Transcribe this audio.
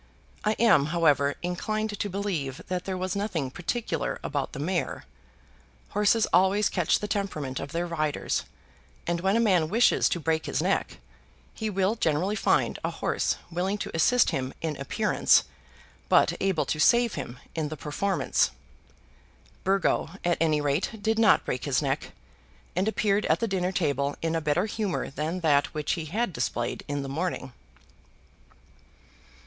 I am, however, inclined to believe that there was nothing particular about the mare. Horses always catch the temperament of their riders, and when a man wishes to break his neck, he will generally find a horse willing to assist him in appearance, but able to save him in the performance. Burgo, at any rate, did not break his neck, and appeared at the dinner table in a better humour than that which he had displayed in the morning.